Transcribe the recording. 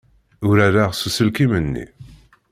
Urareɣ s uselkim-nni.